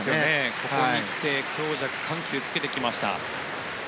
ここにきて強弱、緩急をつけてきました。